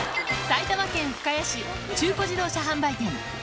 埼玉県深谷市中古自動車販売店